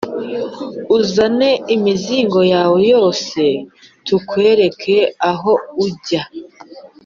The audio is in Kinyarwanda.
uzane imizigo yawe yose tukwereke aho ujya